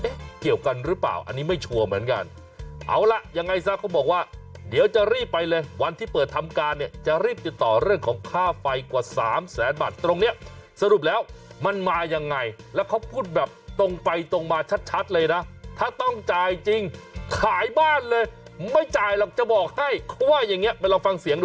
เกี่ยวกันหรือเปล่าอันนี้ไม่ชัวร์เหมือนกันเอาล่ะยังไงซะเขาบอกว่าเดี๋ยวจะรีบไปเลยวันที่เปิดทำการเนี่ยจะรีบติดต่อเรื่องของค่าไฟกว่าสามแสนบาทตรงเนี้ยสรุปแล้วมันมายังไงแล้วเขาพูดแบบตรงไปตรงมาชัดเลยนะถ้าต้องจ่ายจริงขายบ้านเลยไม่จ่ายหรอกจะบอกให้เขาว่าอย่างเงี้ไปลองฟังเสียงดู